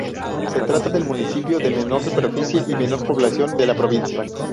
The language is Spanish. Se trata del municipio de menor superficie y menor población de la provincia.